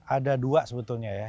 ada dua sebetulnya ya